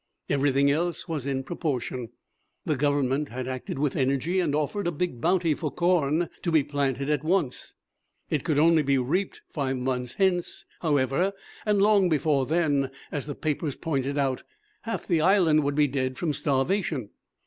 Everything else was in proportion. The Government had acted with energy and offered a big bounty for corn to be planted at once. It could only be reaped five months hence, however, and long before then, as the papers pointed out, half the island would be dead from starvation.